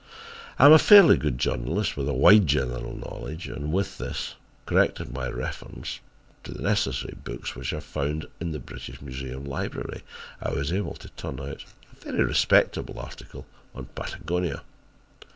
I am a fairly good journalist with a wide general knowledge and with this, corrected by reference to the necessary books which I found in the British Museum library, I was able to turn out a very respectable article on Patagonia.